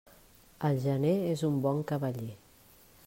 El gener és un bon cavaller.